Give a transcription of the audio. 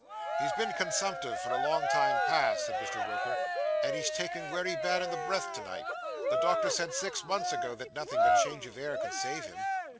'He's been consumptive for a long time past,' said Mr. Roker, 'and he's taken wery bad in the breath to night. The doctor said, six months ago, that nothing but change of air could save him.